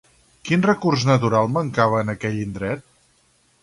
Quin recurs natural mancava en aquell indret?